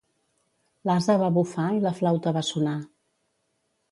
L'ase va bufar i la flauta va sonar.